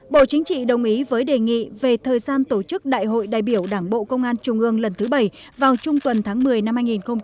bộ chính trị đồng ý với đề nghị về thời gian tổ chức đại hội đại biểu đảng bộ công an trung ương lần thứ bảy vào trung tuần tháng một mươi năm hai nghìn hai mươi